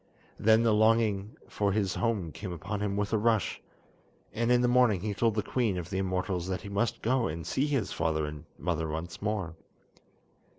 Then the longing for his home came upon him with a rush, and in the morning he told the Queen of the Immortals that he must go and see his father and mother once more.